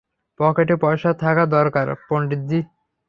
পকেটে পয়সা থাকা দরকার, পন্ডিতজি।